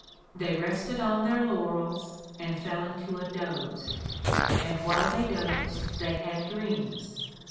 They rested on their laurels and fell into a doze. And while they dozed they had dreams.